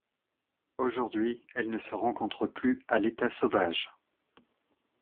Aujourd'hui, elle ne se rencontre plus à l'état sauvage.